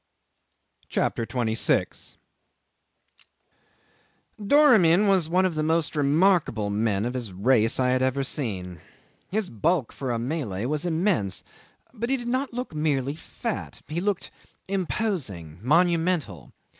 CHAPTER 26 'Doramin was one of the most remarkable men of his race I had ever seen. His bulk for a Malay was immense, but he did not look merely fat; he looked imposing, monumental.